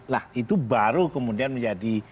lah itu baru kemudian menjadi